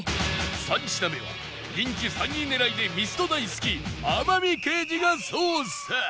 ３品目は人気３位狙いでミスド大好き天海刑事が捜査